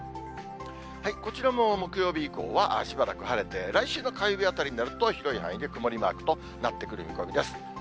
こちらも木曜日以降は、しばらく晴れて、来週の火曜日あたりになると、広い範囲で曇りマークとなってくる見込みです。